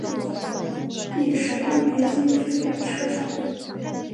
亦是当别町最北的车站。